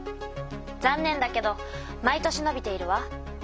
残念だけど毎年のびているわ。